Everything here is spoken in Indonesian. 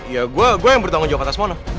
ya gua yang bertanggung jawab atas mona